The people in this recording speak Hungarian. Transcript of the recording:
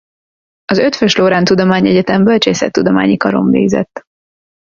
Az Eötvös Loránd Tudományegyetem Bölcsészettudományi Karon végzett.